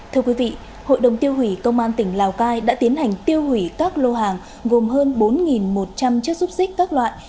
thưa quý vị hội đồng tiêu hủy công an tỉnh lào cai đã tiến hành tiêu hủy các lô hàng gồm hơn bốn một trăm linh chiếc xúc xích các loại